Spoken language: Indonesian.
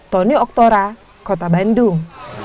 tonyo oktora kota bandung